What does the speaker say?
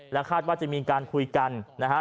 คาดว่าจะมีการคุยกันนะฮะ